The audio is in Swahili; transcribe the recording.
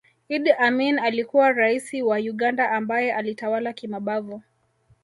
Idd Amin alikuwa Raisi wa Uganda ambaye alitawala kimabavu